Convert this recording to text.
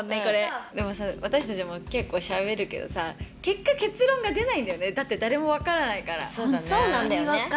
これでもさ私たちも結構しゃべるけどさ結果結論が出ないんだよねだって誰も分からないからそうだね